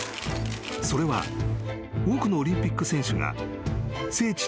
［それは多くのオリンピック選手が聖地